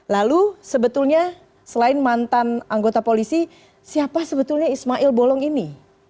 lalu sebetulnya selain mantan anggota polisi siapa sebetulnya ismail bolong ini